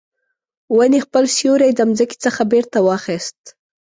ونې خپل سیوری د مځکې څخه بیرته واخیست